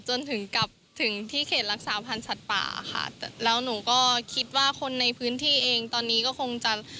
จนถึงกลับถึงที่เขตรักษาพันธ์สัตว์ป่าค่ะแล้วหนูก็คิดว่าคนในพื้นที่เองตอนนี้ก็คงจะ